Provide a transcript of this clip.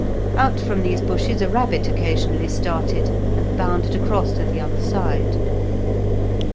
Out from these bushes a rabbit occasionally started and bounded across to the other side.